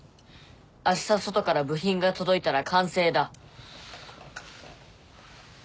あした外から部品が届いたら完成だ。